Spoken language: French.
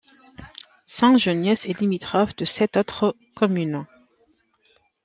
Saint-Geniès est limitrophe de sept autres communes.